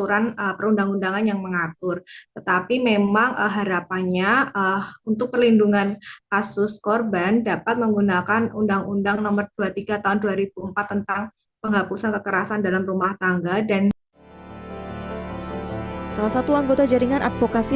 orang tua korban mengatakan tidak menyangka